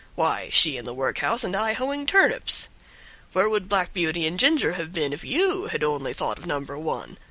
Why, she in the workhouse and I hoeing turnips! Where would Black Beauty and Ginger have been if you had only thought of number one?